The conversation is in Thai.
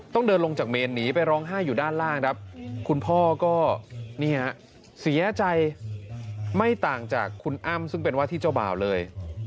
ต้องเดินลงจากเมนหนีไปร้องไห้อยู่ด้านล่างครับคุณพ่อก็เสียใจไม่ต่างจากคุณอ้ำซึ่งเป็นว่าที่เจ้าบ่าวเลย